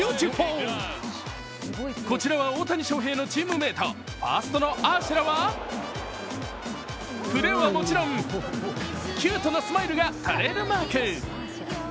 こちらは大谷翔平のチームメート、ファーストのアーシェラはプレーはもちろんキュートなスマイルがトレードマーク。